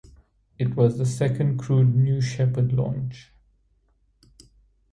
It was the second crewed New Shepard launch.